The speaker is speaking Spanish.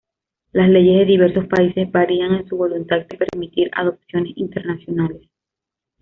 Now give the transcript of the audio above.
Las leyes de diversos países varían en su voluntad de permitir adopciones internacionales.